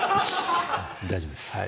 大丈夫です